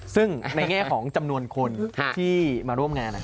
ซึ่งในแง่ของจำนวนคนที่มาร่วมงาน